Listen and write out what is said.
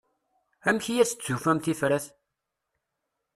Amek i as-d-tufam tifrat?